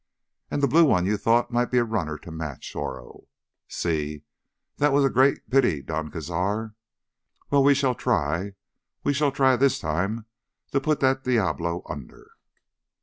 "Ah, the blue one you thought might be a runner to match Oro. Sí, that was a great pity, Don Cazar. Well, we shall try, we shall try this time to put that diablo under!"